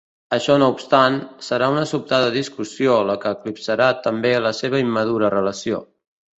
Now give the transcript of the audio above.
Això no obstant, serà una sobtada discussió la que eclipsarà també la seva immadura relació.